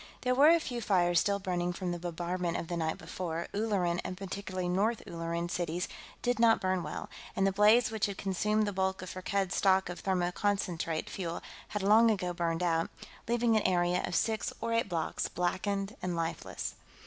There were a few fires still burning from the bombardment of the night before Ulleran, and particularly North Ulleran, cities did not burn well and the blaze which had consumed the bulk of Firkked's stock of thermoconcentrate fuel had long ago burned out, leaving an area of six or eight blocks blackened and lifeless.